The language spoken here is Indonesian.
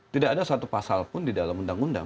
tidak ada satu pasal pun di dalam undang undang